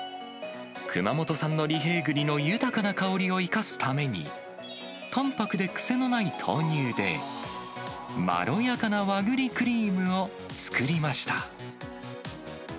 熊本産の利平栗の豊かな香りを生かすために、たんぱくで癖のない豆乳で、まろやかな和栗クリームを作りました。